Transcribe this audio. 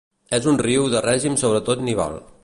És un riu de règim sobretot nival.